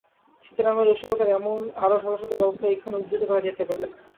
সীতারামের রসিকতার এমন আরো শত শত গল্প এইখানে উদ্ধৃত করা যাইতে পারে।